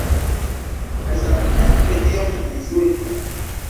Kaj samtempe iom insulta...